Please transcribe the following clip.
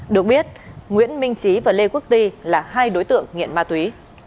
hai đối tượng nghiện ma túy